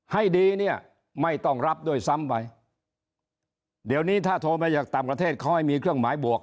ให้ดีเนี่ยไม่ต้องรับด้วยซ้ำไปเดี๋ยวนี้ถ้าโทรมาจากต่างประเทศเขาให้มีเครื่องหมายบวก